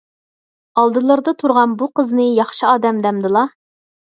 ئالدىلىرىدا تۇرغان بۇ قىزنى ياخشى ئادەم دەمدىلا؟